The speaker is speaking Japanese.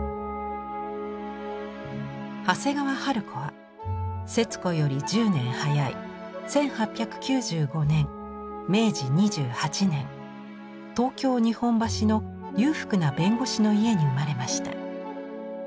長谷川春子は節子より１０年早い１８９５年明治２８年東京・日本橋の裕福な弁護士の家に生まれました。